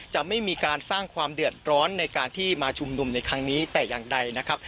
จะไม่มีการสร้างความเดือดร้อนในการที่มาชุมนุมในครั้งนี้แต่อย่างใดนะครับ